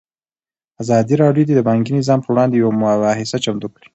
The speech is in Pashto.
ازادي راډیو د بانکي نظام پر وړاندې یوه مباحثه چمتو کړې.